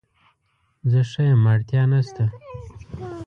زه ښه یم اړتیا نشته